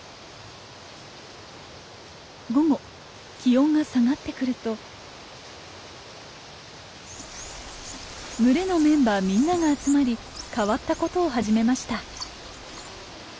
午後気温が下がってくると群れのメンバーみんなが集まり変わったことを始めました。